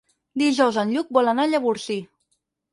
Dijous en Lluc vol anar a Llavorsí.